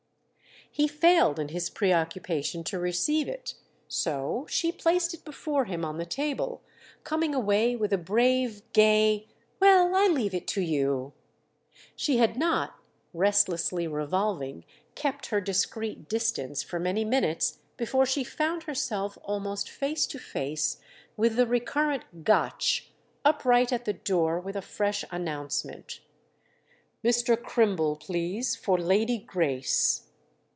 He failed, in his preoccupation, to receive it; so she placed it before him on the table, coming away with a brave gay "Well, I leave it to you!" She had not, restlessly revolving, kept her discreet distance for many minutes before she found herself almost face to face with the recurrent Gotch, upright at the door with a fresh announcement. "Mr. Crimble, please—for Lady Grace."